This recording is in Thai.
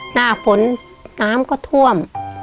หน้าฝนน้ำก็ท่วม